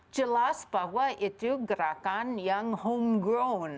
jelas bahwa itu gerakan yang homo